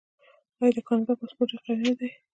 آیا د کاناډا پاسپورت ډیر قوي نه دی؟